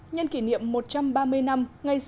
nhân kỷ niệm một trăm ba mươi năm